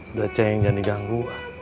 udah ceng jangan diganggu